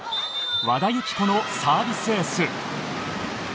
和田由紀子のサービスエース。